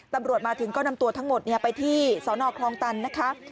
ตำรวจมาถึงก็นำตัวทั้งหมดไปที่สนคลองตันนะคะ